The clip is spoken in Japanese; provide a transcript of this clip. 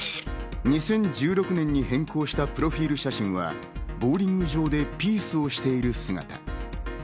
２０１６年に変更したプロフィル写真はボウリング場でピースをしている姿。